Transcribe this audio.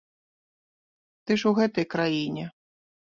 Ты ж у гэтай краіне.